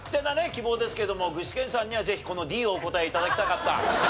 希望ですけれども具志堅さんにはぜひこのＤをお答え頂きたかった。